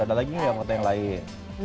ada lagi gak foto yang lain